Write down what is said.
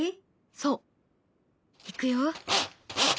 そう。いくよ。